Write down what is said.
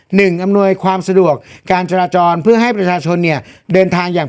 อำนวยความสะดวกการจราจรเพื่อให้ประชาชนเนี่ยเดินทางอย่าง